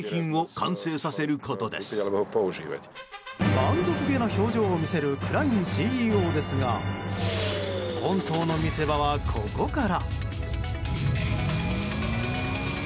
満足げな表情を見せるクラインＣＥＯですが本当の見せ場はここから。